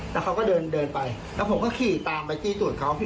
แล้วเขาก็เดินไปแล้วผมก็ขี่ตามไปจี้ตูดเขา